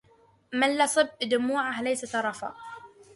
من لصب دموعه ليس ترفا